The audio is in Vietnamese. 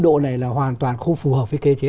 độ này là hoàn toàn không phù hợp với cơ chế